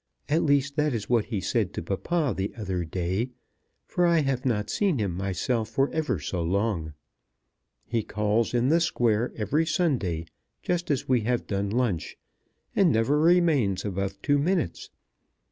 At least that is what he said to papa the other day; for I have not seen him myself for ever so long. He calls in the Square every Sunday just as we have done lunch, and never remains above two minutes.